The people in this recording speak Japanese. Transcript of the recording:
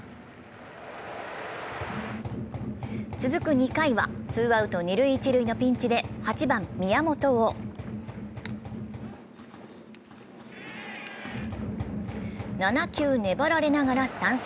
続く２回はツーアウト二塁・一塁のピンチで８番・宮本を７球粘られながら三振。